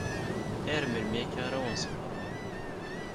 Ar melmi akka ara wen-ṣebreɣ?